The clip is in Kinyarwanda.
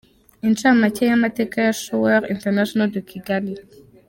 Incamake y’amateka ya Choeur International de Kigali.